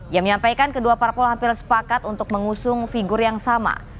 yang menyampaikan kedua parpol hampir sepakat untuk mengusung figur yang sama